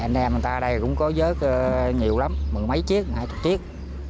anh em người ta ở đây cũng có vớt nhiều lắm mười mấy chiếc hai chục chiếc